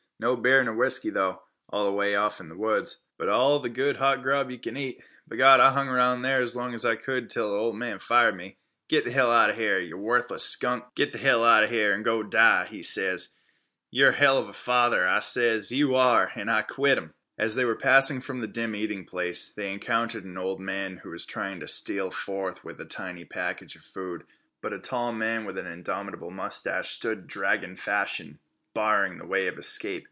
No beer ner whisky, though, way off in the woods. But all th' good hot grub yeh can eat. B'Gawd, I hung around there long as I could till th' ol' man fired me. 'Git t' hell outa here, yeh wuthless skunk, git t' hell outa here, an' go die,' he ses. 'You're a hell of a father,' I ses, 'you are,' an' I quit 'im." As they were passing from the dim eating place, they encountered an old man who was trying to steal forth with a tiny package of food, but a tall man with an indomitable moustache stood dragon fashion, barring the way of escape.